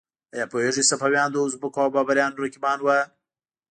ایا پوهیږئ صفویان د ازبکو او بابریانو رقیبان وو؟